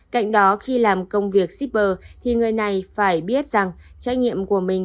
cạnh đó khi làm công việc shipper thì người này phải biết rằng trách nhiệm của mình